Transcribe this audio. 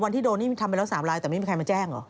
โดนนี่ทำไปแล้ว๓ลายแต่ไม่มีใครมาแจ้งเหรอ